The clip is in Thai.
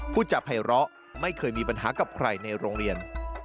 ผู้จาภัยร้อไม่เคยมีปัญหากับใครในโรงเรียน